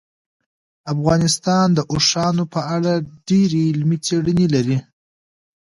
افغانستان د اوښانو په اړه ډېرې علمي څېړنې لري.